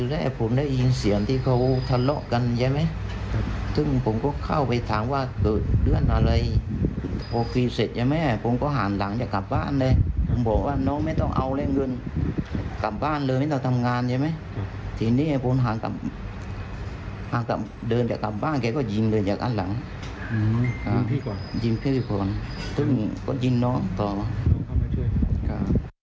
หากเดินจากบ้านเขาก็ยินเลยจากอันหลังยินพี่ก่อนก็ยินน้องต่อมา